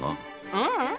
ううん。